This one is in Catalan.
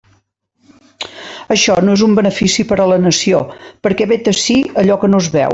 Això no és un benefici per a la nació, perquè vet ací allò que no es veu.